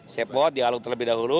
cepot dihaluk terlebih dahulu